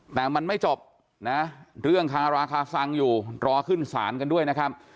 แต่มันไม่จบนะเรื่องคาราคาซังอยู่รอขึ้นศาลกันด้วยนะครับ